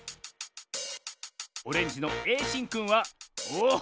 オレンジのえいしんくんはおお！